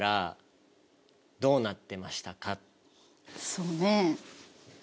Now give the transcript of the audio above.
そうね。